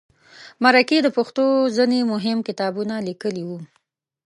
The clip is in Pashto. مرکې د پښتو ځینې مهم کتابونه لیکلي وو.